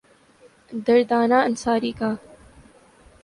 دردانہ انصاری کا